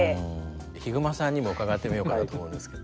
ヒグマさんにも伺ってみようかなと思うんですけど。